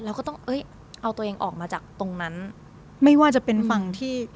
ก็ต้องเอ้ยเอาตัวเองออกมาจากตรงนั้นไม่ว่าจะเป็นฝั่งที่